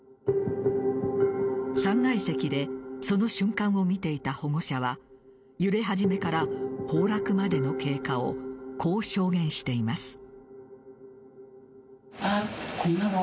３階席でその瞬間を見ていた保護者は揺れ始めから崩落までの経過をこう証言しています。